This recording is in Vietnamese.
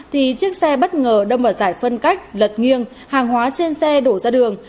thì chiếc xe bất ngờ đâm ở giải phân cách lật nghiêng hàng hóa trên xe đổ ra đường